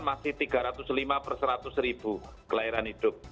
masih tiga ratus lima persatus ribu kelahiran hidup